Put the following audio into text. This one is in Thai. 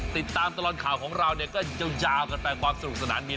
ติดตามตลอดข่าวของเราเนี่ยก็ยาวกันไปความสนุกสนานมี